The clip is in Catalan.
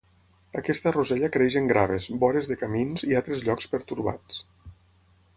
Aquesta rosella creix en graves, vores de camins i altres llocs pertorbats.